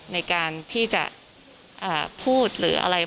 ในการที่จะพูดหรืออะไร